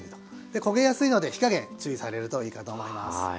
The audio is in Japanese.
焦げやすいので火加減注意されるといいかと思います。